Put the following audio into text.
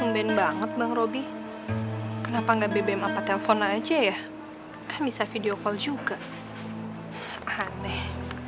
ben banget bang robby kenapa enggak bbm apa telepon aja ya kan bisa video call juga aneh